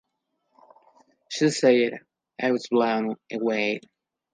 She said, I was blown away.